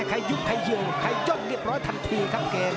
ใครยุบใครยิงใครย่อดเรียบร้อยทันทีครับเกม